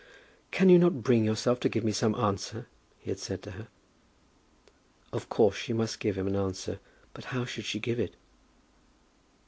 "Can you not bring yourself to give me some answer?" he had said to her. Of course she must give him an answer, but how should she give it?